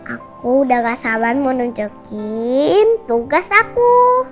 aku udah gak sabar mau nunjukin tugas aku